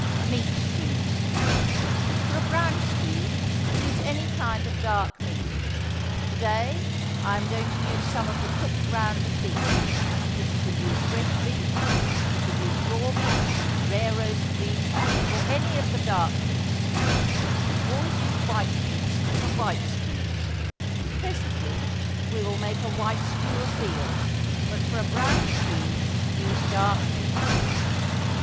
MEAT STEWS. For a brown stew, use any kind of dark meat. To day I am going to use some of the cooked round of beef; but you can use fresh beef; you can use raw beef, rare roast beef, or any of the dark meats; always use white meats for white stews. Presently we will make a white stew of veal; but for a brown stew use dark meats.